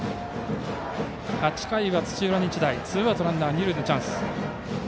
８回は土浦日大、ツーアウトランナー、二塁のチャンス。